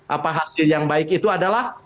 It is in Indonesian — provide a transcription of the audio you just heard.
apa hasil yang baik itu adalah